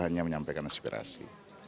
hanya menyampaikan inspirasi